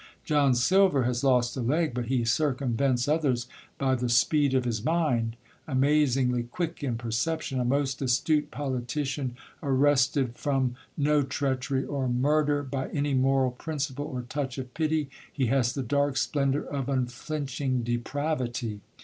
John Silver has lost a leg, but he circumvents others by the speed of his mind; amazingly quick in perception, a most astute politician, arrested from no treachery or murder by any moral principle or touch of pity, he has the dark splendour of unflinching depravity.